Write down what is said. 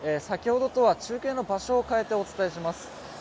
先ほどとは中継の場所を変えてお伝えします。